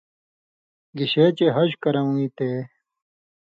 گِشے چے حج کرؤں یی تے